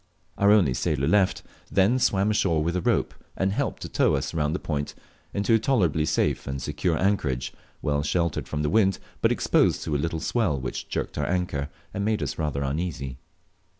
Our only sailor left, then swam ashore with a rope, and helped to tow us round the point into a tolerably safe and secure anchorage, well sheltered from the wind, but exposed to a little swell which jerked our anchor and made us rather uneasy.